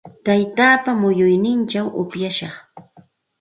Taytaapa muyunninchaw upyashaq.